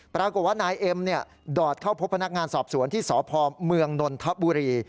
ประโยคว่านายเอ็มเนี่ยเดินทางเข้าพบพนักงานสอบส่วนที่สพมนนทบุรี